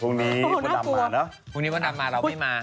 พรุ่งนี้พอดำมาเราไม่มา